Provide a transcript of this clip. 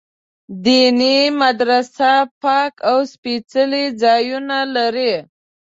دیني مدرسې پاک او سپېڅلي ځایونه دي.